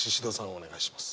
お願いします。